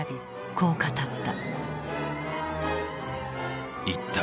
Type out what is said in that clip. こう語った。